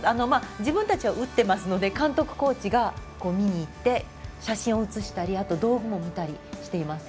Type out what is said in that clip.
自分たちは撃っていますので監督、コーチが見に行って写真を写したり道具を見たりしています。